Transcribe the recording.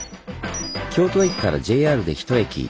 京都駅からＪＲで１駅。